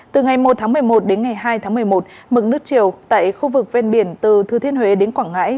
từ ngày một tháng một mươi một đến ngày hai tháng một mươi một mực nước chiều tại khu vực ven biển từ thư thiên huế đến quảng ngãi